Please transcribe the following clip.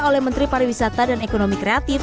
oleh menteri pariwisata dan ekonomi kreatif